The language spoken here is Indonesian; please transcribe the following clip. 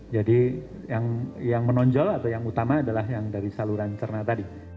jadi yang menonjol atau yang utama adalah yang dari saluran pencernaan tadi